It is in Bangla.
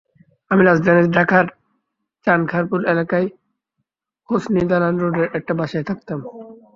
আমি রাজধানী ঢাকার চানখাঁরপুল এলাকায় হোেসনি দালান রোডের একটা বাসায় থাকতাম।